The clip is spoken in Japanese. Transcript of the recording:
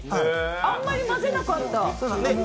あんまり混ぜなかった。